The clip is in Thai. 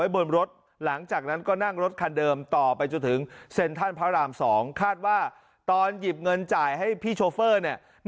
บ้านพระราม๒คาดว่าตอนหยิบเงินจ่ายให้พี่โชฟเฟอร์เนี่ย